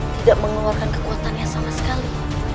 tidak mengeluarkan kekuatannya sama sekali